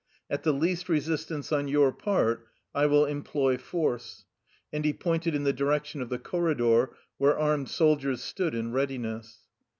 At the least resistance on your part I will employ force,'' and he pointed in the direction of the corridor where armed soldiers stood in readiness.